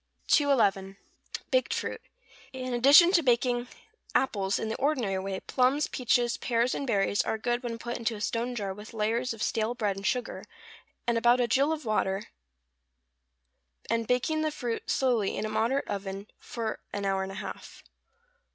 211. =Baked Fruit.= In addition to baking apples in the ordinary way, plums, peaches, pears, and berries, are good when put into a stone jar with layers of stale bread and sugar, and about a gill of water, and baking the fruit slowly in a moderate oven for an hour and a half.